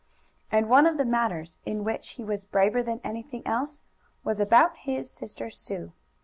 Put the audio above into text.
And one of the matters in which he was braver than anything else was about his sister Sue.